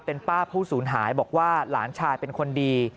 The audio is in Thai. เป็นป้าผู้สูญหายบอกว่าหลานชายเป็นคนดี